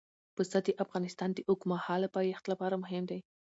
پسه د افغانستان د اوږدمهاله پایښت لپاره مهم دی.